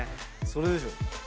それでしょ。